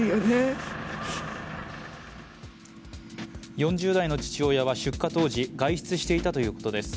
４０代の父親は出火当時外出していたということです。